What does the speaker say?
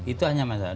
itu hanya masalah